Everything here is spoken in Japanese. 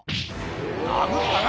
殴ったな！